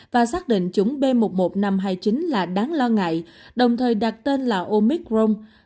và xác định chủng b một một năm trăm hai mươi chín là đáng lo ngại đồng thời đặt tên là omicron